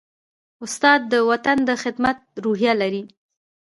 استاد د وطن د خدمت روحیه لري.